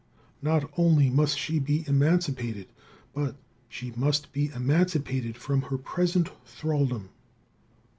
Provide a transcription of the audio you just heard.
Not only must she be emancipated, but she must be emancipated from her present thralldom.